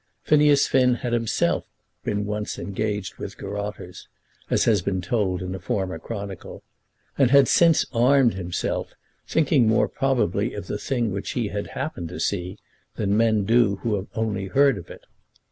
Phineas Finn had himself been once engaged with garotters, as has been told in a former chronicle, and had since armed himself, thinking more probably of the thing which he had happened to see than men do who had only heard of it.